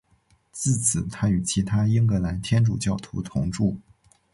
自此他与其他英格兰天主教徒同住。